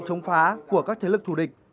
chống phá của các thế lực thù địch